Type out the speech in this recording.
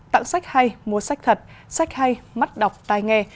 tặng sách hay mua sách thật sách hay mắt đọc tai nghe